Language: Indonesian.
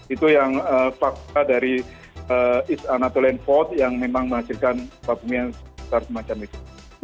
itu yang fakta dari east anatolian fault yang memang menghasilkan gempa bumi yang semacam itu